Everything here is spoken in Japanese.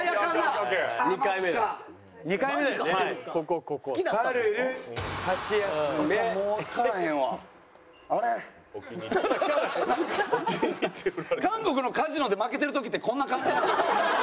韓国のカジノで負けてる時ってこんな感じなのよホンマに。